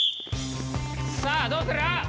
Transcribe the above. さあどうする？